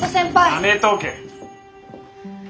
やめとけ。